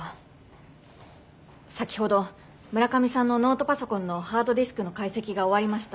先ほど村上さんのノートパソコンのハードディスクの解析が終わりました。